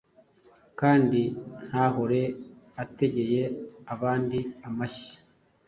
kandi ntahore ategeye abandi amashyi.